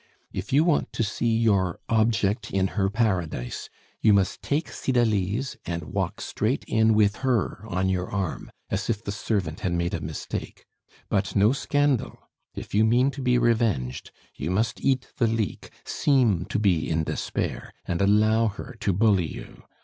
If you want to see your 'object' in her paradise, you must take Cydalise and walk straight in with her on your arm, as if the servant had made a mistake. But no scandal! If you mean to be revenged, you must eat the leek, seem to be in despair, and allow her to bully you.